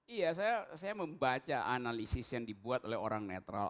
iya saya membaca analisis yang dibuat oleh orang netral